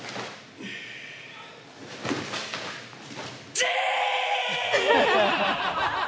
チー！